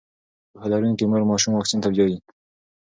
پوهه لرونکې مور ماشوم واکسین ته بیايي.